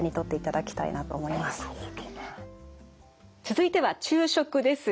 続いては昼食です。